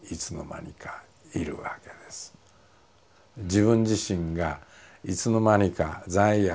自分自身がいつの間にか罪悪